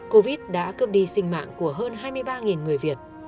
covid đã cướp đi sinh mạng của hơn hai mươi ba người việt